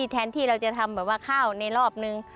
แทนที่เราจะทำแบบว่าข้าวในรอบนึง